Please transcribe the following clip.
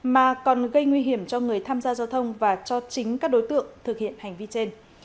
mà còn gây nguy hiểm cho người tham gia giao thông và cho chính các đối tượng thực hiện hành vi trên